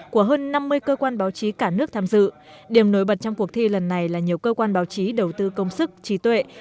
của hơn năm mươi cơ quan báo chí cả nước tham dự điểm nối bật trong cuộc thi lần này là nhiều cơ quan báo chí đầu tư công sức trí tuệ